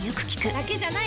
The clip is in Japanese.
だけじゃない！